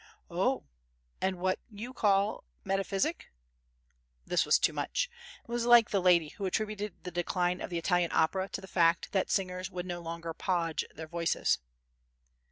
"Oh! And what you call metaphysic?" This was too much. It was like the lady who attributed the decline of the Italian opera to the fact that singers would no longer "podge" their voices.